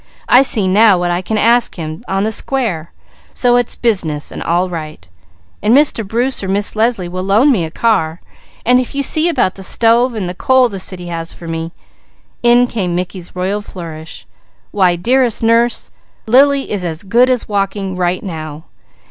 I see now what I can ask Him on the square; so it's business and all right; and Mr. Bruce or Miss Leslie will loan me a car, and if you see about the stove and the coal the city has for me" in came Mickey's royal flourish "why dearest Nurse Lady, Lily is as good as walking right now!